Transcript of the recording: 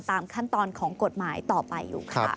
ตามขั้นตอนของกฎหมายต่อไปอยู่ค่ะ